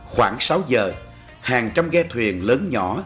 khoảng sáu giờ hàng trăm ghe thuyền lớn nhỏ